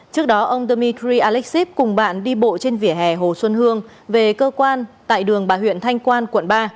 trước đó ông dmitry alexip cùng bạn đi bộ trên vỉa hè hồ xuân hương về cơ quan tại đường bà huyện thanh quan quận ba